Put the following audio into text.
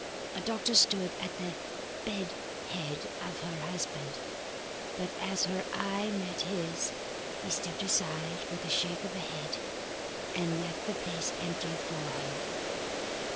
A doctor stood at the bed head of her husband, but as her eye met his he stepped aside with a shake of the head and left the place empty for her.